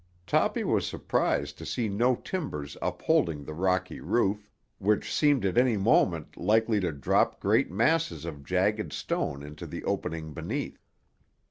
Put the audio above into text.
Toppy was surprised to see no timbers upholding the rocky roof, which seemed at any moment likely to drop great masses of jagged stone into the opening beneath.